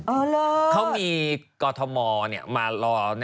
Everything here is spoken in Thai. ฉันนับถือคนไทยมากเลยนะ